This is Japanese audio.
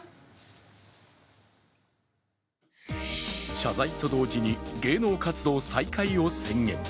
謝罪と同時に芸能活動再開を宣言。